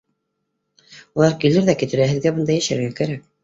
Улар килер ҙә китер, ә һеҙгә бында йәшәргә кәрәк.